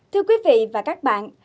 thưa quý vị và các bạn